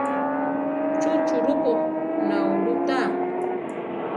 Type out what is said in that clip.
¿Chu churúpo naulú tá?